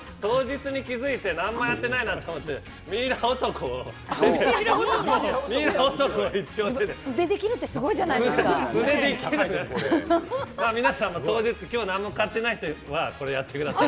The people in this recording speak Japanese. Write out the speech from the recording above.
当日に気づいて何もやってないなと思って、ミイラ男を一応や素でできるってすごいじゃな皆さん、当日、きょう何も買ってない人はこれやってください。